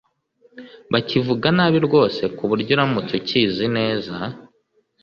Bakivuga nabi rwose ku buryo uramutse ukizi neza